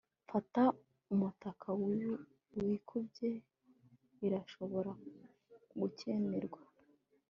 fata umutaka wikubye. irashobora gukenerwa